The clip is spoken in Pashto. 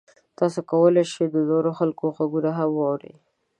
تاسو کولی شئ د نورو خلکو غږونه هم واورئ.